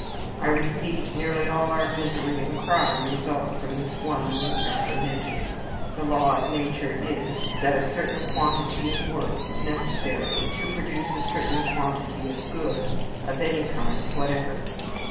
I repeat, nearly all our misery and crime result from this one misapprehension. The law of nature is, that a certain quantity of work is necessary to produce a certain quantity of good, of any kind whatever.